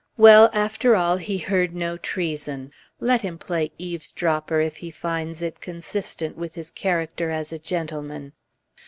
Well! after all, he heard no treason. Let him play eavesdropper if he finds it consistent with his character as a gentleman.